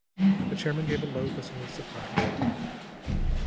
The chairman gave a low whistle of surprise.